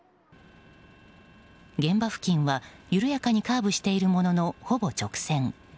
現場付近は緩やかにカーブしているものの、ほぼ直線。